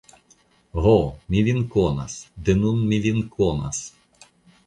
Ho, mi vin konas, de nun mi vin konas!